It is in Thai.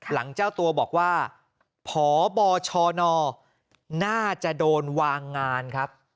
เจ้าตัวบอกว่าพบชนน่าจะโดนวางงานครับ